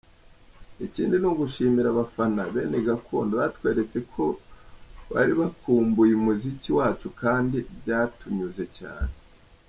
Ikindi ni ugushimira abafana ‘Benegakondo’ batweretse ko bari bakumbuye umuziki wacu kandi byatunyuze cyane.